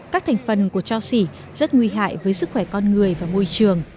các thành phần của cho xỉ rất nguy hại với sức khỏe con người và môi trường